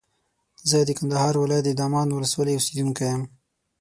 زه د کندهار ولایت د دامان ولسوالۍ اوسېدونکی یم.